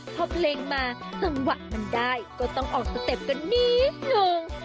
พอเพลงมาจังหวะมันได้ก็ต้องออกสเต็ปกันนิดนึง